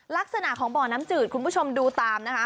ลักษณะของบ่อน้ำจืดคุณผู้ชมดูตามนะคะ